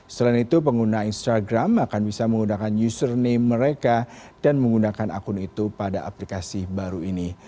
selain itu pengguna instagram akan bisa menggunakan username mereka dan menggunakan akun itu pada aplikasi baru ini